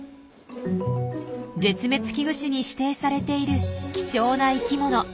絶滅危惧種に指定されている貴重な生きもの。